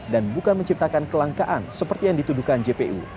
dan bukan menciptakan kelangkaan seperti yang dituduhkan jpu